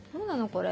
これ。